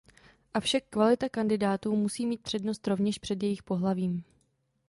Avšak kvalita kandidátů musí mít přednost rovněž před jejich pohlavím.